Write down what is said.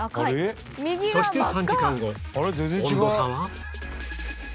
そして３時間後温度差は